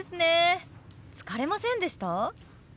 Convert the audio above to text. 疲れませんでした？